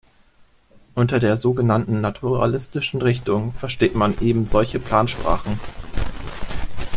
Unter der sogenannten naturalistischen Richtung versteht man eben solche Plansprachen.